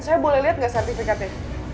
saya boleh liat gak sertifikatnya